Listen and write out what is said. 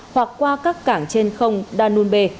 hoặc qua các cảng trên không danube